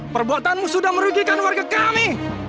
perbuatanmu sudah merugikan warga kami